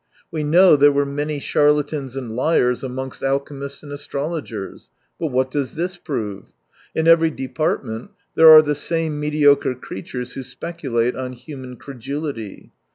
We know there were many charlatans and liars amongst alchemists and astrologers. But what does this prove ? In every department there are the same mediocre creatures who specu late on human credulity.